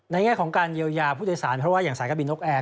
แง่ของการเยียวยาผู้โดยสารเพราะว่าอย่างสายการบินนกแอร์